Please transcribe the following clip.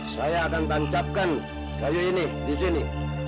saya akan tancapkan kayu ini disini